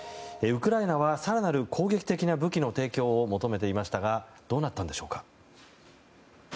ウクライナは更なる攻撃的な武器の提供を求めていましたがどうなったんでしょうか。